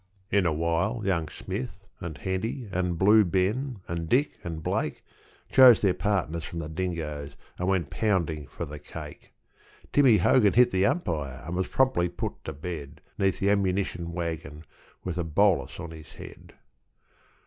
In a while young Smith, and Henty, and Blue Ben, and Dick, and Blake, Chose their partners from The Dingoes, and went pounding for the cake. Timmy Hogan hit the umpire, and was promptly put to bed 'Neath the ammunition waggon, with a bolus on his head.